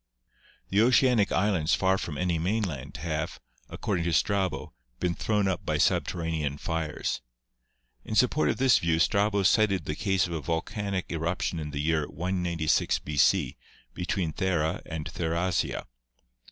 The oceanic islands far from any mainland have, ac cording to Strabo, been thrown up by subterranean fires. In support of this view Strabo cited the case of a volcanic eruption in the year 196 b.c. between Thera and Therasia.